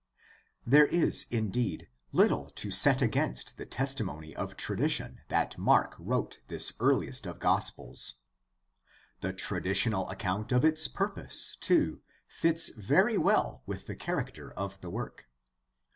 There is indeed little to set against the testimony of tradition that Mark wrote this earhest of gospels. The tra THE STUDY OF THE NEW TESTAMENT 191 ditional account of its purpose, too, fits very well with the character of the work.